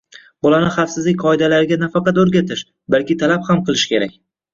Bolani xavfsizlik qoidalariga nafaqat o‘rgatish, balki talab ham qilish kerak.